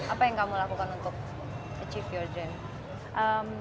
apa yang kamu lakukan untuk achieve your dream